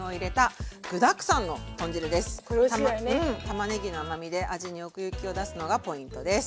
たまねぎの甘みで味に奥行きを出すのがポイントです。